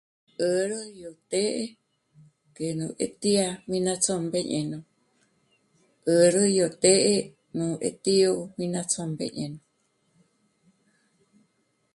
'ä̀rä yó të́'ë́ ngéjnu e tía mí ná tsjómbeñe nù, 'ä̀rä yó të́'ë nú e tío mí ná tsjómbeñe nù